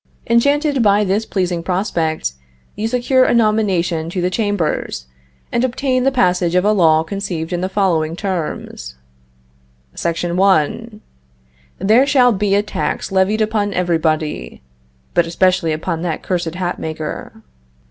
Enchanted by this pleasing prospect, you secure a nomination to the Chambers, and obtain the passage of a law conceived in the following terms: SECTION 1. There shall be a tax levied upon everybody (but especially upon that cursed hat maker).